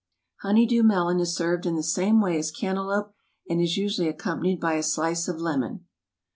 Honeydew melon is served in the same way as cantaloupe, and is usually accom panied by a slice of lemon.